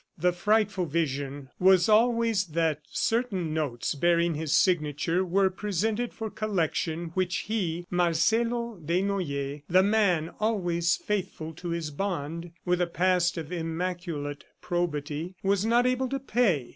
The frightful vision was always that certain notes bearing his signature were presented for collection which he, Marcelo Desnoyers, the man always faithful to his bond, with a past of immaculate probity, was not able to pay.